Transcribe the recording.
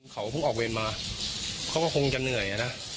เขาเพิ่งออกเวรมาเขาก็คงจะเหนื่อยนะ